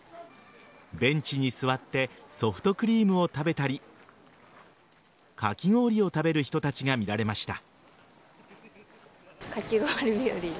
ベンチに座ってソフトクリームを食べたりかき氷を食べる人たちが見られました。